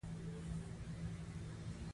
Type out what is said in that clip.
که د درمل په تزریق سره کافر شي.